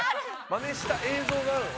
真似した映像があるの？」